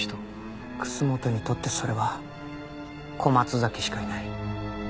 楠本にとってそれは小松崎しかいない。